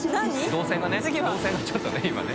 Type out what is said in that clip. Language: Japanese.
動線がちょっとね今ね。